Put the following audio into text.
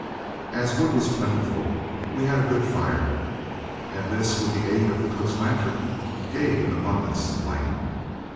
As wood was plentiful, we had a good fire, and this with the aid of the cook's lantern gave an abundance of light.